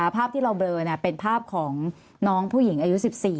ภาพที่เราเบลอเป็นภาพของน้องผู้หญิงอายุ๑๔